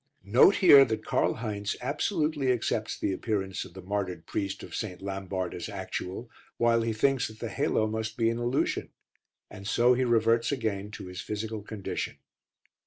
Note here that Karl Heinz absolutely accepts the appearance of the martyred priest of St. Lambart as actual, while he thinks that the halo must be an illusion; and so he reverts again to his physical condition.